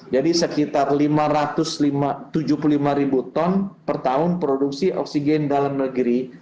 jadi sekitar lima ratus tujuh puluh lima ribu ton per tahun produksi oksigen dalam negeri